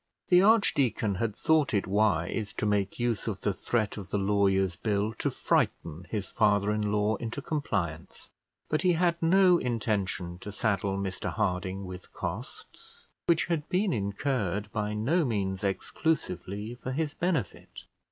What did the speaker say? The archdeacon had thought it wise to make use of the threat of the lawyer's bill, to frighten his father in law into compliance; but he had no intention to saddle Mr Harding with costs, which had been incurred by no means exclusively for his benefit.